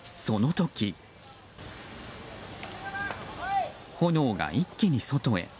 その時、炎が一気に外へ。